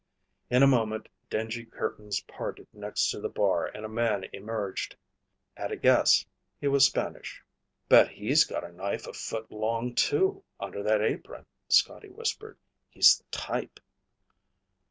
In a moment dingy curtains parted next to the bar and a man emerged. At a guess, he was Spanish. "Bet he's got a knife a foot long, too, under that apron," Scotty whispered. "He's the type."